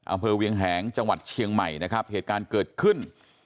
อำเภอเวียงแหงจังหวัดเชียงใหม่นะครับเหตุการณ์เกิดขึ้น